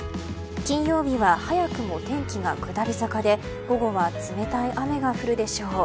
金曜日は早くも天気が下り坂で午後は冷たい雨が降るでしょう。